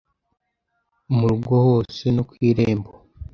Mu rugo hose no ku irembo